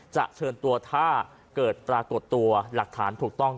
เชิญตัวถ้าเกิดปรากฏตัวหลักฐานถูกต้อง